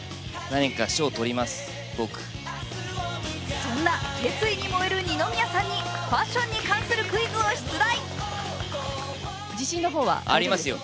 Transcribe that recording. そんな決意に燃える二宮さんにファッションに関するクイズを出題。